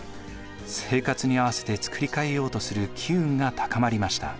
生活に合わせて作り変えようとする機運が高まりました。